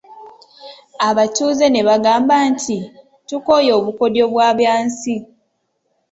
Abatuuze ne bagamba nti, tukooye obukodyo bwa Byansi.